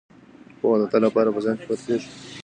پوهه د تل لپاره په ذهن کې پاتې کیږي.